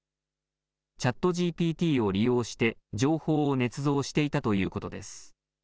ＣｈａｔＧＰＴを利用して情報をねつ造していたということです。